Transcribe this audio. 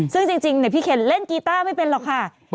ซึ่งจริงพี่เคนเล่นกีต้าไม่เป็นหรอกค่ะ